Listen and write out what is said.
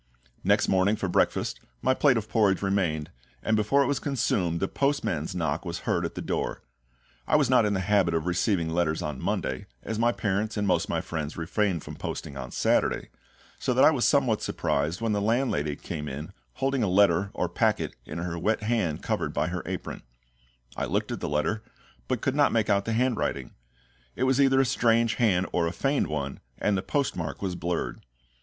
Next morning for breakfast my plate of porridge remained, and before it was consumed the postman's knock was heard at the door. I was not in the habit of receiving letters on Monday, as my parents and most of my friends refrained from posting on Saturday; so that I was somewhat surprised when the landlady came in holding a letter or packet in her wet hand covered by her apron. I looked at the letter, but could not make out the handwriting. It was either a strange hand or a feigned one, and the postmark was blurred.